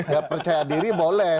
ya percaya diri boleh